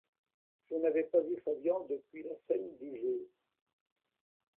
Je n’avais pas vu Fabian depuis la scène du jeu.